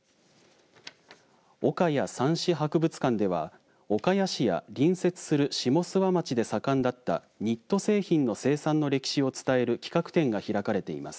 岡谷蚕糸博物館では岡谷市や隣接する下諏訪町で盛んだったニット製品の生産の歴史を伝える企画展が開かれています。